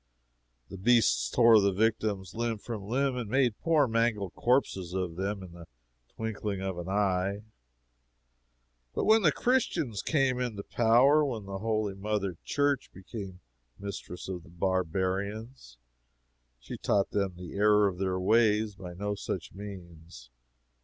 The beasts tore the victims limb from limb and made poor mangled corpses of them in the twinkling of an eye. But when the Christians came into power, when the holy Mother Church became mistress of the barbarians, she taught them the error of their ways by no such means.